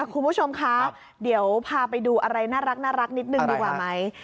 คุณผู้ชมคะเดี๋ยวพาไปดูอะไรน่ารักนิดนึงดีกว่าไหม